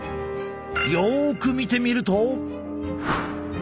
よく見てみると。